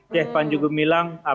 cek panjugo milang